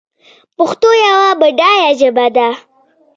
پښتو یوه بډایه ژبه ده